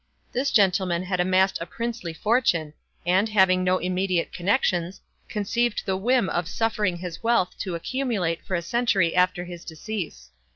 This gentleman had amassed a princely fortune, and, having no immediate connections, conceived the whim of suffering his wealth to accumulate for a century after his decease.